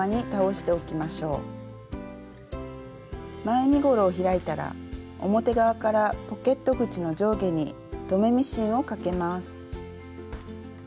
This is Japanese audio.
前身ごろを開いたら表側からポケット口の上下に留めミシンをかけます。